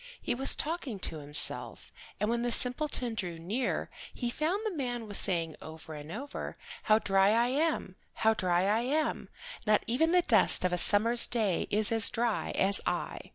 He was talking to himself, and when the simpleton drew near he found the man was saying over and over, "How dry I am! How dry I am! Not even the dust of a summer's day is as dry as I."